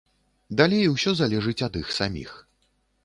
Далей усё залежыць ад іх саміх.